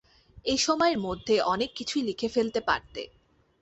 এসময়ের মধ্যে অনেক কিছুই লিখে ফেলতে পারতে।